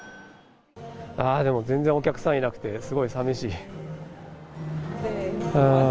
でも全然お客さんいなくて、すごいさみしい。